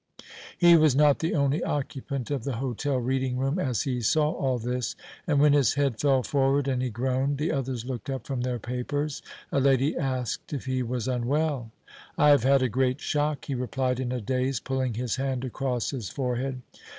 He was not the only occupant of the hotel reading room as he saw all this, and when his head fell forward and he groaned, the others looked up from their papers. A lady asked if he was unwell. "I have had a great shock," he replied in a daze, pulling his hand across his forehead.